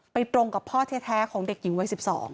ตรงกับพ่อแท้ของเด็กหญิงวัย๑๒